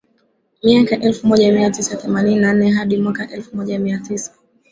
Miaka elfu moja mia tisa themanini na nne hadi mwaka elfu moja mia tisa